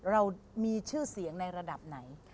เรามีชื่อเสียงในระดับไหน